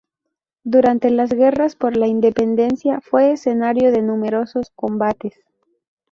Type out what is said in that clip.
Durante las Guerras por la Independencia fue escenario de numerosos combates.